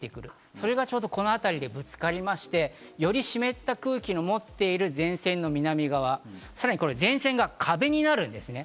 それがちょうどこの辺りでぶつかりまして、より湿った空気を持っている前線の南側、さらに前線が壁になるんですね。